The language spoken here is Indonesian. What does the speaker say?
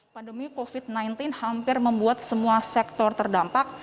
pandemi covid sembilan belas hampir membuat semua sektor terdampak